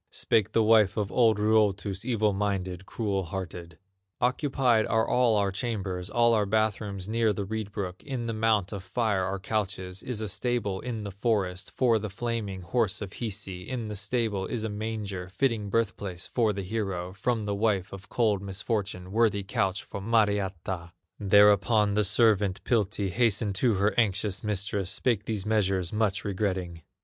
Spake the wife of old Ruotus, Evil minded, cruel hearted: "Occupied are all our chambers, All our bath rooms near the reed brook; In the mount of fire are couches, Is a stable in the forest, For the flaming horse of Hisi; In the stable is a manger, Fitting birth place for the hero From the wife of cold misfortune, Worthy couch for Mariatta!" Thereupon the servant, Piltti, Hastened to her anxious mistress, Spake these measures, much regretting.